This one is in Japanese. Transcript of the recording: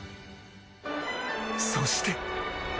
そして。